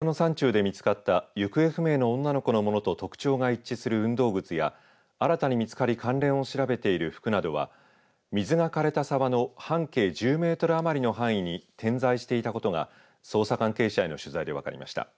道志村の山中で見つかった行方不明の女の子のものと特徴が一致する運動靴や新たに見つかり関連を調べている服などは水がかれた沢の半径１０メートルあまりの地域に点在していたことが捜査関係者への取材で分かりました。